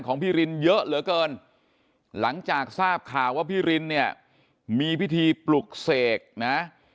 พี่รินเยอะเหลือเกินหลังจากทราบข่าวว่าพี่รินเนี่ยมีพิธีปลุกเสกนะ